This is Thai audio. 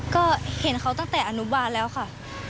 ก็เห็นเขาตั้งแต่อนุบาลแล้วค่ะ